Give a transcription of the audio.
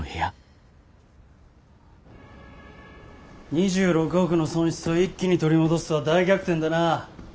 ２６億の損失を一気に取り戻すとは大逆転だな岩倉。